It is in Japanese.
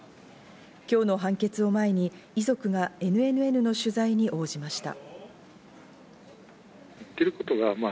今日の判決を前に遺族がＮＮＮの取材に応じました。